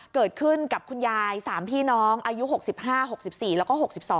เกิดขึ้นกับคุณยาย๓พี่น้องอายุ๖๕๖๔แล้วก็๖๒